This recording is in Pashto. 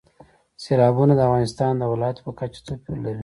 سیلابونه د افغانستان د ولایاتو په کچه توپیر لري.